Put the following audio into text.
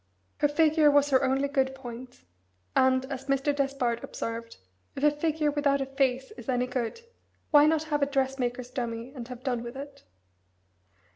Her figure was her only good point, and, as Mr. Despard observed, "If a figure without a face is any good, why not have a dressmaker's dummy, and have done with it?"